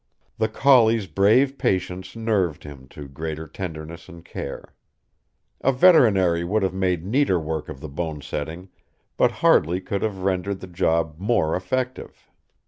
The collie's brave patience nerved him to greater tenderness and care. A veterinary would have made neater work of the bonesetting, but hardly could have rendered the job more effective.